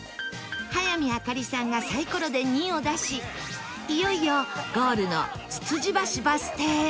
早見あかりさんがサイコロで「２」を出しいよいよゴールのつつじばしバス停へ